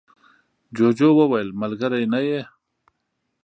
جوجو وویل ملگری نه یې.